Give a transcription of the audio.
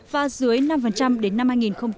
và dưới năm đến năm hai nghìn hai mươi